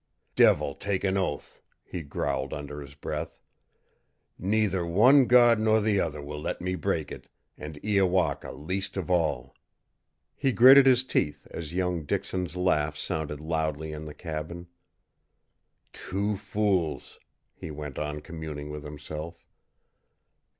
"Devil take an oath!" he growled under his breath. "Neither one God nor the other will let me break it, and Iowaka least of all!" He gritted his teeth as young Dixon's laugh sounded loudly in the cabin. "Two fools!" he went on communing with himself.